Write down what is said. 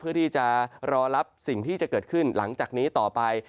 เพื่อที่จะรอรับสิ่งที่จะเกิดขึ้นหลังจากนี้ต่อไป